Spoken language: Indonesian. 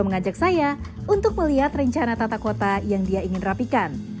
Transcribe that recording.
mengajak saya untuk melihat rencana tata kota yang dia ingin rapikan